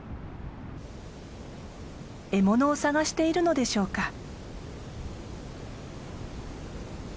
獲物を探しているのでしょうか。